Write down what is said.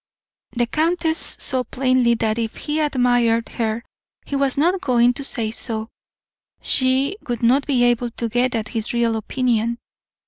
The countess saw plainly that if he admired her he was not going to say so; she would not be able to get at his real opinion.